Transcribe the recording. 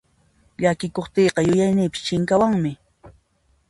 Llakikuqtiyqa yuyayniypis chinkawanmi.